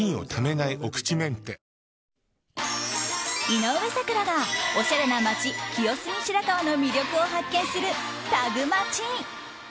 井上咲楽がおしゃれな街・清澄白河の魅力を発見するタグマチ。